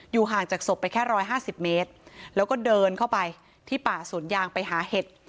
ห่างจากศพไปแค่๑๕๐เมตรแล้วก็เดินเข้าไปที่ป่าสวนยางไปหาเห็ด